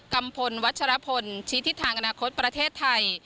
ัมพลวัชรพลชี้ทิศทางอนาคตประเทศไทย